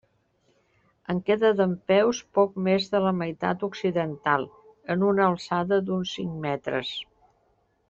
En queda dempeus poc més de la meitat occidental, en una alçada d'uns cinc metres.